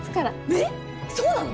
えっそうなの！？